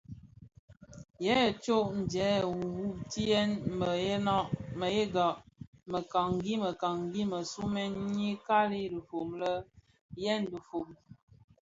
Yèè thot djehoutimès a yëga mekanikani më somèn nyi kali dhifom le: eed: dhifom.